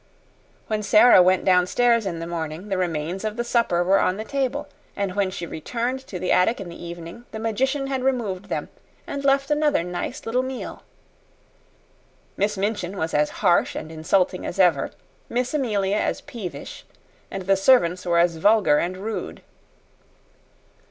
When Sara went downstairs in the morning, the remains of the supper were on the table; and when she returned to the attic in the evening, the magician had removed them and left another nice little meal. Miss Minchin was as harsh and insulting as ever, Miss Amelia as peevish, and the servants were as vulgar and rude.